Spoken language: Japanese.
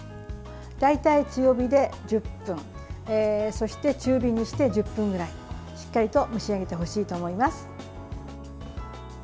大体、強火で１０分そして、中火にして１０分くらいしっかりと蒸し上げてほしいと思います。